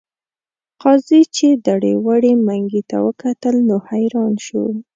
قاضي چې دړې وړې منګي ته وکتل نو حیران شو.